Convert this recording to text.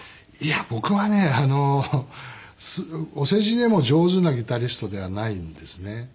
いや僕はねあのお世辞でも上手なギタリストではないんですね。